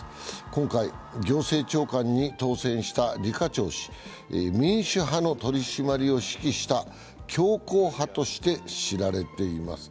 今回、行政長官に当選した李家超氏民主派の取り締まりを指揮した強硬派として知られています。